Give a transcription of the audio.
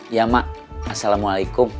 iya mak assalamualaikum